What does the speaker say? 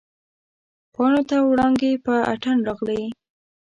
پاڼو ته وړانګې په اتڼ راغلي